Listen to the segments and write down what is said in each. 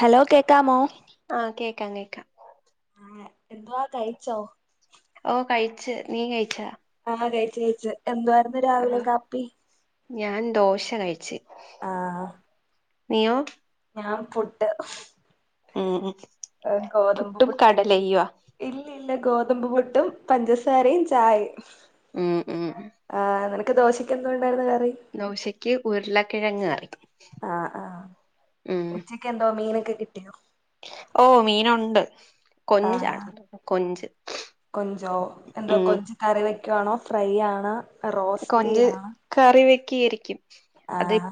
Hello കേക്കാമോ ആഹ് കേക്കാം കേക്കാം ഉം എന്തുവാ കഴിച്ചോ ഓ കയിച്ച് നീ കയിച്ചാ ആഹ് കയിച്ച് കയിച്ച് എന്തുവായിരുന്ന് ഞാൻ ദോശ കഴിച്ചു ആഹ് നീയോ ഞാൻ പുട്ട് ഉം പുട്ടും കടലയുവോ ഇല്ലല്ല ഗോതമ്പ് പുട്ടും പഞ്ചസാരയും ചായയും ഉം ഉം ആഹ് നിനക്ക് ദോശക്ക് എന്തു ഉണ്ടായിരുന്നു കറി ദോശയ്ക്ക് ഉരുളക്കിഴങ്ങ് കറി ആഹ് ആഹ് ഉം ഉച്ചക്ക് എന്തോ മീനൊക്കെ കിട്ടിയോ ഓ മീനൊണ്ട് കൊഞ്ചാണ് കൊഞ്ച് ഞ്ചോ എന്താ ഉം കൊഞ്ച് കറി വെക്കുവാണോ ഫ്രൈയാണോ റോസ്റ്റ് കൊഞ്ച് ചെയ്യുവാണോ കറി വെക്കി ആരിക്കും അത് ആഹ്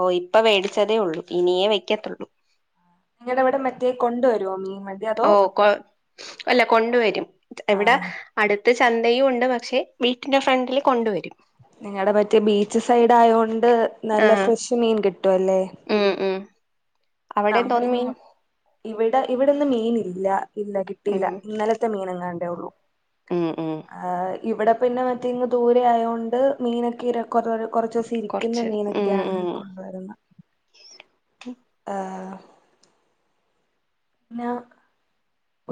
ഓ ഇപ്പം മേടിച്ചതേ ഉള്ളൂ ഇനിയേ വെക്കത്തുള്ളൂ നിങ്ങടെ അവിടെ മറ്റേ കൊണ്ടുവരുമോ മീൻ വ ഓ കൊ അല്ല കൊണ്ടുവരും എവിടാ ആഹ് അടുത്ത് ചന്തയും ഉണ്ട് പക്ഷെ വീട്ടിന്റെ ഫ്രണ്ടില് കൊണ്ടുവരും നിങ്ങളടെ മറ്റേ ബീച്ച് സൈഡ് ആയ കൊണ്ട് നല്ല ആഹ് ഫ്രഷ് മീൻ കിട്ടും അല്ലേ ഉം ഉം നമ്മുടെ അവിടെന്തോന്ന് മീൻ മീനാ ഇവിടെ ഇവിടിന്ന് മീൻ ഇല്ല ഇല്ല ഉം കിട്ടിയില്ല ഇന്നലെ മീനങ്ങാണ്ടേ ഉള്ളൂ ഉം ഉം ആ ഇവിടെ പിന്നെ മറ്റേ ഇങ്ങ് ദൂരെ ആയോണ്ട് മീനൊക്കെ ഇര കൊറ കുറച്ച് ദിവസ് ഇരിക്കുന്ന കൊറച്ച് ഉം മീനൊക്കെയാണ് ഉം കൊണ്ടുവരുന്ന ആഹ് ന്നാ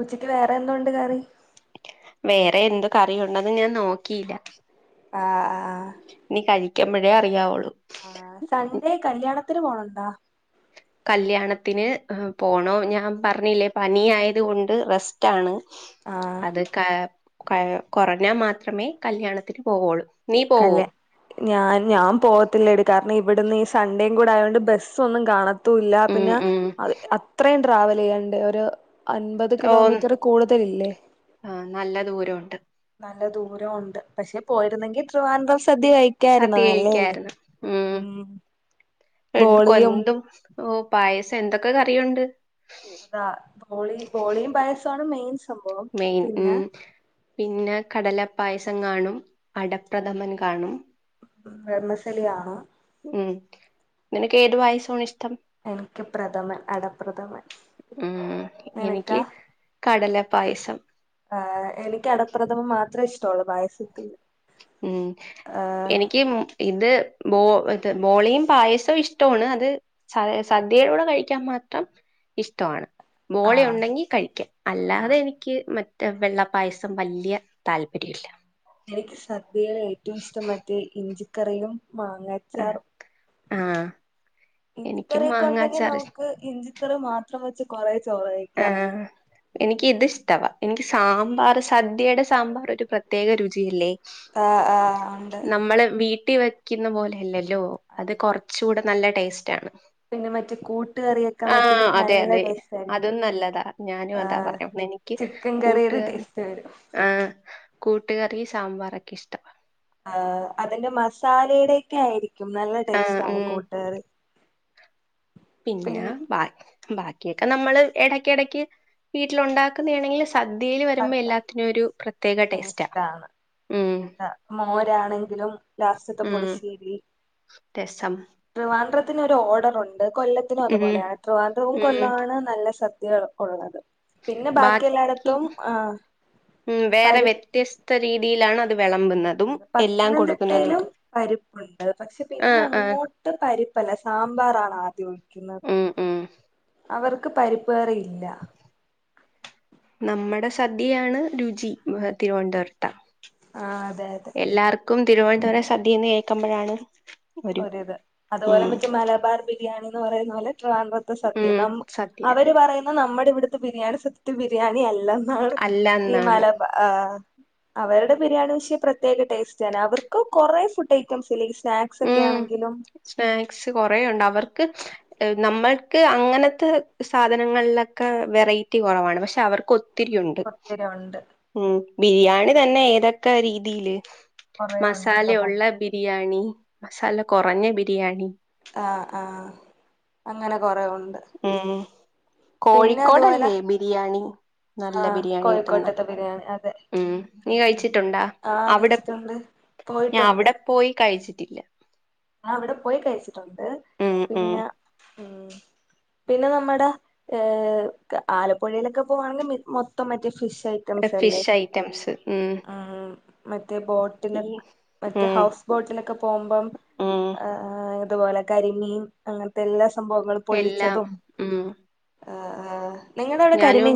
ഉച്ചക്ക് വേറെ എന്തോണ്ട് കറി വേറെ എന്ത് കറിയുണ്ടെന്ന് ഞാൻ നോക്കിയില്ല ആഹ് ആഹ് ഇനി കഴിക്കുമ്പഴേ അറിയാവുള്ളു ആ സൺഡേ കല്യാണത്തിന് പോണൊണ്ടാ കല്യാണത്തിന് ഹ് പോണോ ഞാൻ പറഞ്ഞില്ലേ പനി ആയത് കൊണ്ട് റെസ്റ്റാണ് ആഹ് അത് ക ക കുറഞ്ഞാ മാത്രമേ കല്യാണത്തിന് പോവുള്ളൂ നീ പോവോ കല് ഞാൻ ഞാൻ പോകത്തില്ലടി കാരണം ഇവിടുന്ന് ഈ സൺണ്ടേയും കൂടെ ആയോണ്ട് ബസ്സൊന്നും കാണ ത്തൂല്ല ഉം പിന്നെ ഉം അത്രയും ട്രാവൽ ചെയ്യണ്ടേ ഒരു അൻപത് ഓ കിലോമീറ്ററ് കൂടുതലില്ലേ ആഹ് നല്ല ദൂരമുണ്ട് നല്ല ദൂരം ഉണ്ട് പക്ഷെ പോയിരുന്നെങ്കിൽ ട്രിവാൻഡ്രം സദ്യ കഴി സദ്യ കഴിക്കായിരുന്നു ഉം എന്ത്‌ ബോളിയും കൊണ്ടും ഓ പായസം എന്തൊക്കെ കറിയുണ്ട് അതാ ബോളി ബോളിയും പായസവുമാണ് മെയിൻ സംഭവം മെയിൻ ഉം പിന്നെ പിന്നെ കടലപ്പായസം കാണും അടപ്രഥമൻ കാണും വെർമസേലി കാണും ഉം നിനക്ക് ഏത് പായസമാണ് ഇഷ്ടം എനിക്ക് പ്രഥമൻ അടപ്രഥമൻ നിനക്കാ കടലപായസം ആ എനിക്ക് അടപ്രഥമം മാത്രേ ഇഷ്ട്ടൊള്ളൂ പായസത്തില് ഉം എനി ക്കും ഇത് ബോ മറ്റെ ബോളിയും പായസവും ഇഷ്ടമാണ് അത് സ സദ്യയുടെ കൂടെ കഴിക്കാൻ മാത്രം ഇഷ്ടമാണ് ബോളി ആഹ് ഉണ്ടെങ്കി കഴിക്കും ആഹ് അല്ലാതെ എനിക്ക് മറ്റേ വെള്ളപ്പായസം വല്യ താല്പര്യമില്ല എനിക്ക് സദ്യകള് ഏറ്റവും ഇഷ്ടം മറ്റേ ഇഞ്ചിക്കറിയും മാങ്ങാ ചാറും ആഹ് എനിക്കും ഇഞ്ചിക്കറിയൊക്കെ ഉണ്ടെങ്കി മാങ്ങാച്ചാറ് നമുക്ക് ഇഞ്ചി റി മാത്രം വെച്ച് കുറേ ചോറ ആ എനിക്ക് ഇത് ഇഷ്ടവാ എനിക്ക് സാമ്പാർ സദ്യയുടെ സാമ്പാർ ഒരു പ്രത് ത്യേക രുചിയില്ലേ ആഹ് ആഹ് ഉണ്ട് നമ്മള് വീട്ടി വെക്കുന്ന പോലെ അല്ലല്ലോ അത് അല്ല കുറച്ച് കൂടെ നല്ല ടേസ്റ്റ് ആണ് പിന്നെ മറ്റേ കൂട്ട് കറിയൊക്കെ മറ്റേ ആഹ് അതെ നല്ല അതെ ടേസ്റ്റാ അതും നല്ലതാ ഞാനും അതാ പറയാൻ വന്നേ എനിക്ക് ചിക്കൻ കറിയുടെ കൂട്ടുകറി ടേസ്റ്റ് വരും ആ കൂട്ടുകറി സാമ്പാറൊക്കെ ഇഷ്ടവാ ആ അതിന്റെ മസാലയുടെയൊക്കെ ആയിരിക്കും നല്ല ആഹ് ടേസ്റ്റ് ആണ് ഉം കൂട്ടുകറി പിന്നെ ബ ബാക്കിയൊക്കെ നമ്മള് ഇടക്കിടക്ക് വീട്ടിൽ ഉണ്ടാക്കുന്നയാണെങ്കില് സദ്യയില് വരുമ്പോൾ സദ്യ എല്ലാത്തിനും ഒരു പ്ര [unintelligible] അതാ മോരാണെങ്കിലും ലാസ്റ്റത്തെ ഉം പുളിശ്ശേരി രസം ട്രിവാൻഡ്രത്തിന് ഒരു ഓർഡറുണ്ട് കൊല്ലത്തിനും ഉം അതുപോലെയാ ട്രിവാൻഡ്രവും ഉം കൊല്ലമാണ് നല്ല സദ്യ ഉള്ളത് പിന്നെ ബാക്കി എല്ലായിടത്തും ആ ഉം വേറെ വ്യത്യസ്ത രീതിയിലാണ് അത് വെളമ്പുന്നതും അത്‌ എല്ലാം കൊടുക്കുന്നതും പത്തനംതിട്ടയിലും ഒക്കെ പരിപ്പുണ്ട് പക്ഷെ പിന്നെ ആഹ് ആഹ് അങ്ങോട്ട് പരിപ്പല്ല സാമ്പാറാണ് ആദ്യം ഒഴിക്കുന്നത്. ഉം ഉം അവർക്ക് പരിപ്പ് കറിയില്ല നമ്മടെ സദ്യയാണ് രുചി തിരുവനന്തപുരത്ത ആ അതെ അതെ എല്ലാർക്കും തിരുവനന്തപുരം സദ്യന്ന് കേക്കുമ്പോഴാണ് ഒരിത് അതുപോലെ മറ്റേ മലബാർ ബിരിയാണി എന്ന് പറയുന്ന പോലെ ട്രവാഡ്ര സദ്യ ഉം സദ്യ അവര് പറയുന്ന നമ്മുടെ ഇവിടുത്തെ ബിരിയാണി സത്യത്തിൽ ബിരിയാണി അല്ലെന്ന് ആണ് അല്ല ഈ എന്നാണ് മലബാ ആഹ് അവരുടെ ബിരിയാണി വിഷയം പ്രത്യേക ടേസ്റ്റാണ് അവർക്ക് കൊറെ ഫുഡ് ഐറ്റംസ് ഇല്ലേ ഈ സ്നാക്സ് ക്സ് ഒക്കെ ഉം ആണെങ്കിലും സ്നാക്സ് കുറേയുണ്ട് അവർക്ക് നമ്മൾക്ക് അങ്ങനെത്തെ സാധനങ്ങൾലൊക്കെ വെറൈറ്റി കൊറവാണ് പക്ഷെ അവർക്കൊത്തി ത്തിരിയുണ്ട്. ഞ ഒണ്ട് ഉം ബിരിയാണി തന്നെ ഏതൊക്കെ രീതിയില് കൊറേ മസാല ഉണ്ടല്ലോ പ ഉള്ള ബിരിയാണി മസാല കൊറഞ്ഞ ബിരിയാണി. ആഹ് ആഹ് അങ്ങനെ കൊറേ ഉണ്ട്. ഉം പിന്നെ അതുപോലെ കോഴിക്കോടല്ലേ ബിരിയാണി. നല്ല ആഹ് ബിരിയാണി കിട്ടുന്ന കോഴിക്കോട്ടത്തെ ബിരിയാണി അതെ. ഉം നീ കഴിച്ചിട്ടുണ്ടാ ആഹ് അവടെ കഴിച്ചിട്ടുണ്ട് ഞാ പോയിട്ടുണ്ട് അവടെ പോയി കഴിച്ചിട്ടില്ല. ഞാ അവടെ പോയി കഴിച്ചിട്ടുണ്ട് ഉം ഉം പിന്നെ ഉം പിന്നെ നമ്മടെ ഏഹ് ആലപ്പുഴയിലൊക്കെ പോവാണെങ്കി മി മൊത്തം മറ്റേ ഫിഷ് തംസല്ലേ ഫിഷ് ഐറ്റംസ് ഉം ആഹ് ഉം മറ്റേ ബോട്ടില് ഈ മറ്റേ ഉം ഹൗസ് ബോട്ടിലൊക്കെ പോവുമ്പം ഉം ആഹ് ഇതുപോലെ കരിമീൻ അങ്ങേൻത്തെല്ലാ സംഭവങ്ങളും എല്ലാം പൊള്ളിച്ചതും. ഉം ആഹ് ആഹ് ഞാനും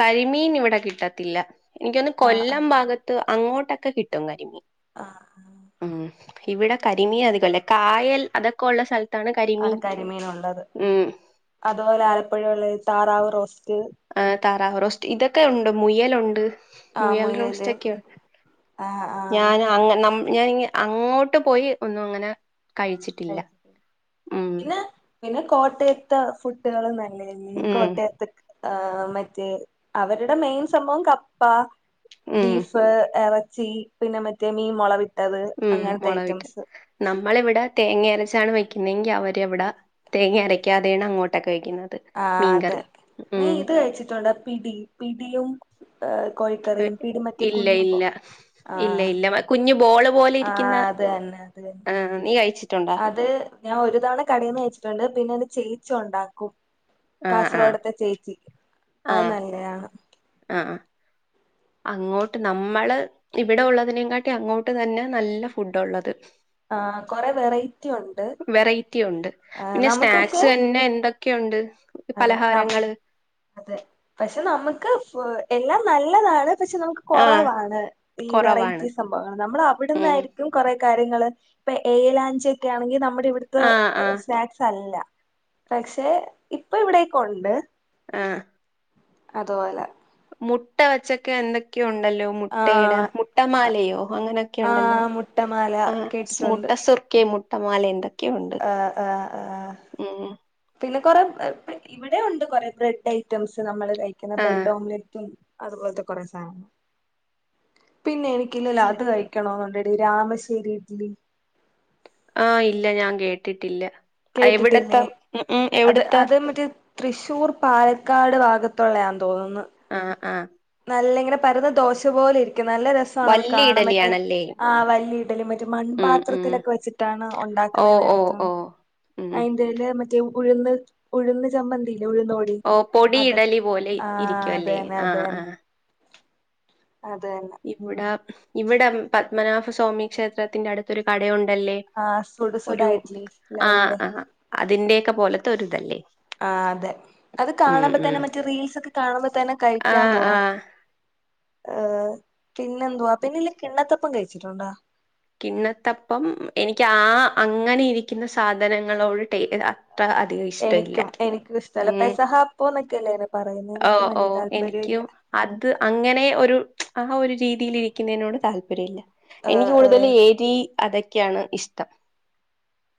കരിമീൻ ഇവടെ കിട്ടത്തില്ല ഇൻക്ക് തോന്ന്ന്നു ആഹ് ആഹ് കൊല്ലം ഭാഗ ത്ത് അങ്ങോട്ടൊക്കെ കിട്ടും കരിമീൻ. ആഹ് ഉം ഇവിടെ കരിമീൻ അധികല്ല കായൽ അതൊക്കൊള്ള സ്ഥല താണ് കരിമീൻ ഉം അത്പോലെ ആലപ്പുഴള്ളത് താറാവ് റോസ്റ്റ് ആഹ് താറാവ് റോസ്റ്റ് ഇതൊക്കെ ഉണ്ട് മുയലുണ്ട്. ആഹ് മുയൽ മുയല് റോസ്റ്റൊക്ക്യോ ആഹ് ആഹ് ഞാന് അങ്ങ ന ഞാന് ങ്ങെ അങ്ങോട്ട് പോയി ഒന്നും അങ്ങനെ കഴിച്ചിട്ടില്ല. ഉം പിന്നെ പിന്നെ കോട്ടയത്ത് ഫുഡുകൾ നല്ലാന്നെ ഞ് ഉം കോട്ടയത്ത് ഏഹ് മറ്റേ അവരുടെ മെയിൻ സംഭവം കപ്പ ഉം ബീഫ്, എറച്ചി, പിന്നെ മറ്റേ മീൻ മൊളവിട്ടത് ഉം മുളകിട്ട് അങ്ങൻത്തയ്റ്റംസ് നമ്മളിവിടെ തേങ്ങ അരച്ചാണ് വെക്കുന്നതെങ്കി അവരെവട തേങ്ങ അരയ്ക്കാതെണ് അങ്ങോട്ടൊക്കെ വെക്കുന്നത്. ആഹ് അതെ മീൻകറി നീ ഉം ഇത് കഴിച്ചിട്ടുണ്ടോ പിടി പിടിയും എഹ് കോഴിക്കറിം പിടി മറ്റേ ഇല്ല കുഞ്ഞുമ്പോ ഇല്ല ആഹ് [unintelligible] കുഞ്ഞു ബോള് പോല് ആഹ് അതെന്നെ അതെന്നെ കഴിച്ചിട്ടുണ്ടോ അത് ഞാൻ ഒരു തവണ കടേന്ന് കഴിച്ചിട്ടുണ്ട് പിന്നെ ൻ്റെ ചേച്ചി ഉണ്ടാക്കും. ആഹ് ആഹ് കാസർകോട്തെ ചേച്ചി അത് നല്ലയാണ്. ആഹ് ആഹ് അങ്ങോട്ട് നമ്മള് ഇവിടെ ഉള്ളതിനേകാട്ടി അങ്ങോട്ട് തന്നെ നല്ല ഫുഡുള്ളത്. ആ കൊറെ വെറൈറ്റി ഉണ്ട് വെറൈറ്റിയുണ്ട് ആ, പിന്നെ നമുക്ക് പക്ഷേ സ്നാക്സെന്നെ എന്തൊ ക്യോണ്ട്. അതാ നം അതെ പക്ഷേ നമക്ക് എഹ് എല്ലാം നല്ലതാണ് പക്ഷേ നമക ആഹ് കൊറവാണ് ഈ കൊറവാണ് വെറൈറ്റീ സം ഭവം നമ്മള് ഉം അവ്ട്ന്നായിരിക്കും കൊറെ കാര്യങ്ങള് ഇപ്പൊ ഏലാഞ്ച്യൊക്കാണെങ്കി നമ്മടെ ഇവിട ത്ത് ആഹ് ആഹ് സ്നാക്സല്ല പക്ഷെ ഇപ്പൊ ഇവിടേകൊണ്ട്. ആഹ്. അതോല മുട്ട വച്ചൊക്കെ എന്തൊക്ക്യൊ ണ്ടല്ലോ ആ മുട്ടയുടെ മുട്ടമാലയോ അങ്ങന ആ ക്യോണ്ടല്ലോ മുട്ടമാല ആഹ് മുട്ട കേട്ടിട്ടുണ്ട് സുർക്യേം മുട്ടമാലെ ണ്ട്. ക്യുണ്ട്. ആ ആ ആ ഉം പിന്നെ കൊറെ [unintelligible] ഇവടെ ഒണ്ട് കൊറെ ബ്രെഡൈറ്റംസ് നമ്മള് കഴിക്കുന്ന ആ ബ്രെഡ് ഓംലറ്റും അത്പോൽത്തെ കൊറെ സാനങ്ങള് പിന്നെ ഇല്ല. എനിക്കില്ലല്ലാത് കയ് ക്യണോന്നോണ്ടെടി രാമശ്ശേരി ഇഡ്ലി ആഹ് ഇല്ല ഞാൻ കേട്ടിട്ടില്ല എവിടത്ത കേട്ടിട്ടില്ലേ മ് മ് എവിടത്ത തൃശൂർ പാലക്കാട് ഭാഗത്തോള്ളെയാന്ന് തോന്ന്ന്. ആഹ് ആഹ് നല്ല ഇങ്ങനെ പരന്ന് ദോശ പോലെ ഇരിക്കും നല്ല രസാണത് വല്യ കാണുബതെ ഇഡലിയാണല്ലേ ആഹ് വല്യ ഇടലി മറ്റെ ഉം ഉം മൺപാത്രത്തിലൊക്കെ വെച്ചിട്ടാണ് ഓ ഒണ്ടാക്കുന്നന്ന് ഓ കേട്ടിട്ടൊ ഓ ന്. ഉം ന്റെലെ മറ്റേ ഉഴ്‌ന്ന് ഉഴന്ന് ചന്തില്ലേ ഉഴ്ന്ന് ഓ പൊടി അതെ ഇഡലി പോലെ ആ ഇരിക്കുവല്ലേ അതെന്നെ ആ ആ അതെനെ അതെന്നെ. ഇവിട ഇവിടം പത്മനാഭസ്വാമി ക്ഷേത്രത്തിന്റെ അടുത്തൊരു കടയുണ്ടല്ലെ? ആഹ് സുട സുട ഒരു ഇഡ്ലി ആ ലവന്റെ ആ അതിന്റെക്കെ പോലത്തെ ഒര് തല്ലേ? ആ അതെ അത് കാണുമ്പോ തന്നെ മറ്റെ റീൽസ്ക്കെ കാണുമ്പോ തന്നെ കഴിക്കാ ആഹ് തോന്നും. ആഹ് ആഹ് പിന്നെ എന്തുവാ പിന്നെല്ലെ കിണ്ണത്തപ്പം കഴിച്ചിട്ടുണ്ടോ? കിണത്തപ്പം എനിക്ക് ആ അങ്ങനെ ഇരിക്ക്ന്ന സാധനങ്ങളോട് ടേ ഇതാ താ ആഹ് അധികം ഇഷ്ടല്ല എനിക്കും എനിക്കും ഇഷ്ടല്ല മ് പെസഹാപ്പം എന്നൊക്കെയല്ലേ അയിന് പറയുന്നെ ഓ എനിക്കും ഓ വല്യ താല്പര്യം എനിക്കും ഇല്ല. അത് അങ്ങനെ ഒരു ആ ഒരു രീതില് ഇരിക്കുന്നെനോട് താല്പര്യംല്ല എനിക്ക് ആഹ് കൂടു ആഹ് എരി അതൊക്കെയാണ് ഇഷ്ടം.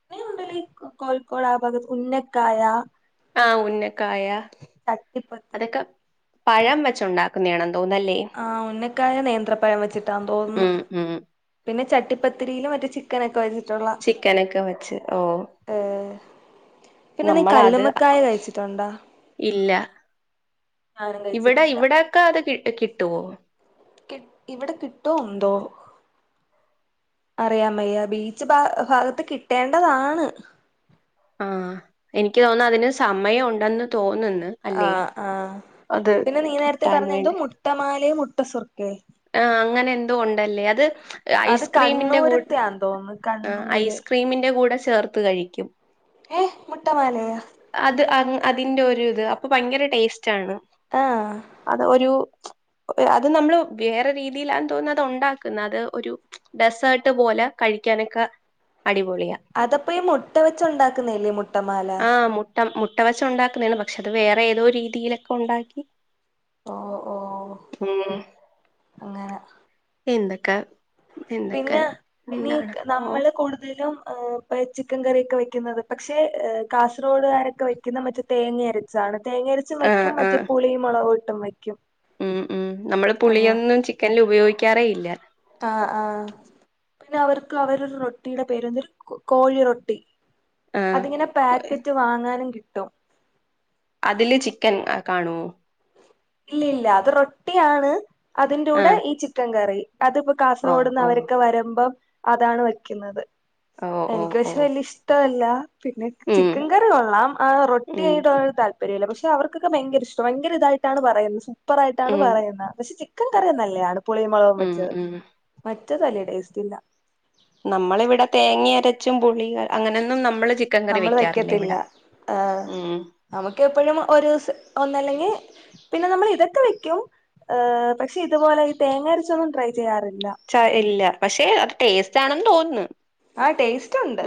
നീ യുണ്ടെടി കോഴിക്കോട് ആ ഭാഗത്ത് ഉന്നക്കായ ആ ഉന്നക്കായ ചട്ടിപത്തി അതൊക്കെ പഴം വച്ചോണ്ടാക്ക്ന്നെയാണെന്ന് തോന്നല്ലേ? ആഹ് ഉന്നക്കായ നേന്ത്രപ്പഴം വച്ചിട്ടാ തോന്നുന്ന് ഉം ഉം പിന്നെ ചട്ടിപ്പത്തിരില് മറ്റേ ചി ക്കനൊക്കെ വെച്ചിട്ടൊള്ള ചിക്കനൊക്കെ വെച്ച് ഓ ഏഹ് പിന്നെ നീ നമ്മളത് കല്ലുമ്മക്കായ കഴിച്ചിട്ടൊണ്ടാ? ഇല്ല ഇവിടെ കഴിച്ചിട്ടില്ല. ഇവിടെക്കെ അത് കിട്ട് കിട്ടുവോ? കി ഇവടെ കിട്ടോ എന്തോ? അറിയമ്മയ്യ ബീച്ച് ഭാ ഭാഗത്ത് കിട്ടേണ്ടതാണ്. ആഹ് എനിക്ക് തോന്നു അതിന് സമയം ഉണ്ടെന്ന് തോന്ന്ന്ന്. ആ ആഹ് പിന്നെ നീ നേരത്തെ കിട്ടാൻ പറഞ്ഞ എന്തോ മുട്ടമാലയും മുട്ടസുർ ആ അങ്ങനെ എന്തോ ഒണ്ടല്ലേ അത് അത് ഐസ്ക്രീമിന്റെ കൂ കണ്ണൂരത്തെയാന്ന് തോന്നുന്നു ആ കണ്ണൂര് ഐസ്ക്രീമിന്റെ കൂടെ ചേർത്ത് കഴിക്കും. ഏഹ് മുട്ടമാലയ? അത് അഹ് അതിന്റെ ഒര് ത് അപ്പൊ ഭയങ്കര ടേസ് റ്റാണ് ആഹ് അത് ഒരു അത് നമ്ള് വേറെ രീതിലാ തോന്നു അത് ഒണ്ടാക്ന്നത് ഒരു ഡെസേർട്ട് പോലെ കഴിക്കാനൊക്ക അടിപൊളിയ. അതപ്പഈമുട്ടവെച്ച് ഉണ്ടാക്കുന്നയെ ല്ലേമുട്ടമാല അ മുട്ടവച്ച് ഉണ്ടാക്കുനേണ്പക്ഷെ അതവേറെഏതോ രീതിയിലൊക്കെ ഉണ്ടാക്കി ഒ ഒ ഓ ഉം എന്തക്കെ പിന്ന പിന്നി ഓഹ് നമ്മള്കൂടുതലും ഏ ഇ ചിക്കൻകറിയൊക്കെവെക്കുന്നത് പക്ഷേകാസറോഡുകാരൊക്കെ വെക്കുന്നമറ്റ്തേങ്ങയര ചാണ് ആഹ് തേങ്ങഅരച്ചുംവയ്ക്കുംമറ്റേ ആഹ് പുളിമുളകുട്ടുംവെക്യും ഉം ഉം നമ്മള്പുളിയൊന്നുംചിക്കനില് ഉപയോഗിക്കാറേഇല്ല. ആ ആ പിന്നെ അവർക്ക് അവര് റൊട്ടിടെപേര് എന്തരു കോഴിറൊട്ടി ആഹ് അതിങ്ങനെപാക്കറ്റ് വാങ്ങാനുംകി അതില്ചിക്കൻ കാണൊ ഇല്ലില്ലഅത്റൊട്ടിആണ്അത് ന്റുടെ ആഹ് ഈചിക്കൻകറി അത്പ ആഹ് കാസർഗോഡ്ന്ന് ആഹ് അവരൊക്കെ വരുമ്പം അതാണ് വെക്യുന്നത് ഓഹ്ഓ സ്‌പെഷല് ഉം ഇഷ്ടല്ലപിന്നെചിക്കൻ കറികൊള്ളാംആറൊട്ടി ഉം [unintelligible] പരിയല്ല പക്ഷെഅവർകൊക്കെ ഭയങ്കരഷ്ടഭയങ്കരഇതായി ടാണ് പറയുന്നസുപ്പറായിട്ടാണ് ഉം പറയുന്നത്പഷെചിക്കൻ കറിനല്ലെയാണ് ഉം പുളിമുുളകുംവെച്ച് ഉം മറ്റതല്യടേസ്റ്റ്ല്ല നമ്മളിവിടെതേങ്ങ്യഅരച്ചുംപുളിക അങ്ങനൊന്നും നമ്മള്ചിക്കൻകറി നമ്മള് വെക്കാറില്ലഇവടെ ഉം നമുക്ക്എപ്പഴുംഒരൂസം ഒന്നല്ലങ്ങി പിന്നെനമ്മള് ഇതക്കെവെക്കുംഹ് പക്ഷെ ഇത്പോലെഇതേങ്ങ അരച്ചൊന്നുംട്രൈചെയ്യാറില്ല ച ഇല്ലപഷേഅത്ടേസ്റ്റ്ണെന്ന് തോനുന്ന് ആഹ് ടേസ്റ്റുണ്ട്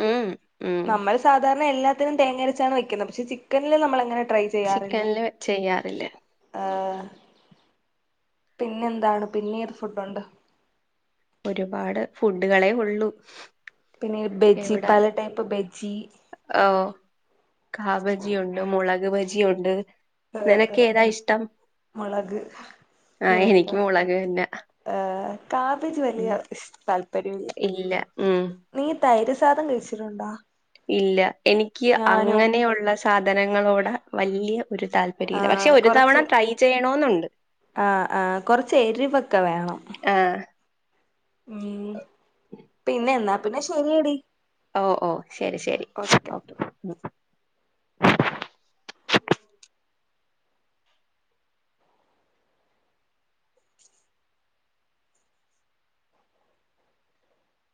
നമ്മള് സാധാരണഎല്ലാതിനുംതേങ്ങരച്ചാണ് വെക്കുന്നത്പഷേചിക്കനില് നമ്മളങ്ങനെ ട്രൈചെ ചിക്കൻല്ചെയ്യാറില്ലേ ആഹ് പിന്നെന്താണ്പിന്നീർഫുഡുണ്ട് ഒര്പാട്ഫുഡുകളെഒള്ളൂ പിന്നെബെജ്ജിപലടൈപ്പ്ബെജ്ജി ഓഹ്കാബജിയുണ്ട്മുളക്ബജിയുണ്ട് നിനക്ക്ഏതാഇഷ്ടം മുളക് ആഹ് എനിക്ക്മുളക് അന്നെ കാപ്പിച്ച് വല്യഇഷ്താല്പര്യുല്യ ഇല്ല ഉം നീ തൈര്യസാധംകഴിച്ചിട്ടുണ്ടാ ഇല്ല എനിക്ക് അങ്ങനെയുള്ള സാധനങ്ങളോടെ വല്ല്യഒരുതാൽ പറയല്ല ആഹ് കൊറച്ച് പക്ഷെഒര്തവണട്രൈചെയ്യണോ നുണ്ട് ആഹ് ആഹ്കൊറച്ച് എരിവൊക്കെവേണം ആഹ് ഉം പിന്നെഎന്നാപിന്നെശെര്യേടി ഓഹ് ഓഹ്ശെരിശെരിഓക്കെ